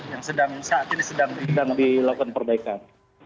yang saat ini sedang dilakukan perbaikan